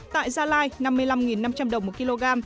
tại gia lai năm mươi năm năm trăm linh đồng một kg